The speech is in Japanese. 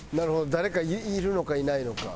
誰かいるのかいないのか。